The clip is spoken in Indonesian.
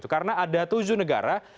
karena ada tujuh negara